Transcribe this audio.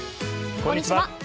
こんにちは。